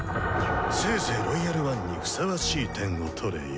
せいぜい「ロイヤル・ワン」にふさわしい点を取れよ。